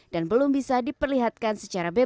dan belum bisa diperlihatkan secara berat